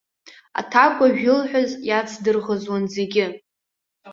Аҭакәажә илҳәаз иацдырӷызуан зегьы.